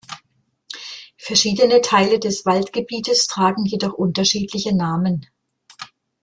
Verschiedene Teile des Waldgebietes tragen jedoch unterschiedliche Namen.